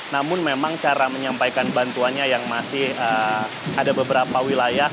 namun memang cara menyampaikan bantuannya yang masih ada beberapa wilayah